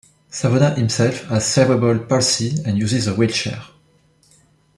Savona himself has cerebral palsy and uses a wheelchair.